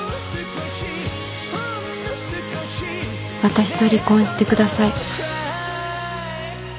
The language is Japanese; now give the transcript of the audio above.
私と離婚してください。